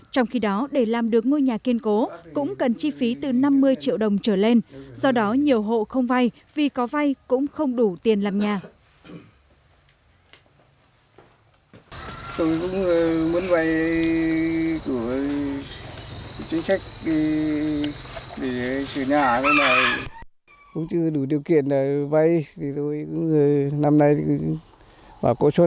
trong khi đó để làm được ngôi nhà kiên cố cũng cần chi phí từ năm mươi triệu đồng trở lên do đó nhiều hộ không vai vì có vai cũng không đủ tiền làm nhà